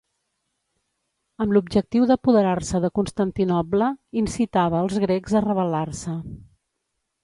Amb l'objectiu d'apoderar-se de Constantinoble, incitava els grecs a rebel·lar-se.